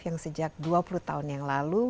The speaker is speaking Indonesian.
yang sejak dua puluh tahun yang lalu